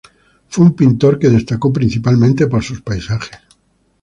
Fue un pintor que destacó principalmente por sus paisajes.